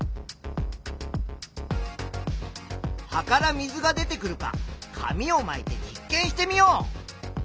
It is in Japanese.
葉から水が出てくるか紙をまいて実験してみよう。